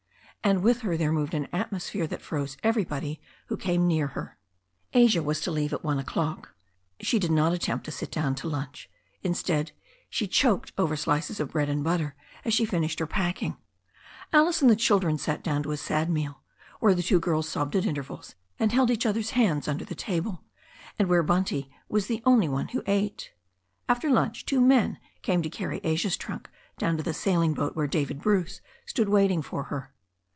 And with her there moved an atmosphere that froze everybody who came near her. Asia was to leave at one o'clock. She did not attempt to sit down to lunch. Instead, she choked over slices of bread and butter as she finished her packing. Alice and the chil dren sat down to a sad meal, where the two girls sobbed at intervals, and held each other's hands under the table, and where Bunty was the only one who ate. After lunch two men came to carry Asia's trunk down to the sailing boat where David Bruce stood waiting for her.